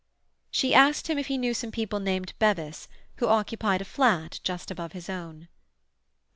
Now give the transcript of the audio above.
She asked him if he knew some people named Bevis, who occupied a flat just above his own.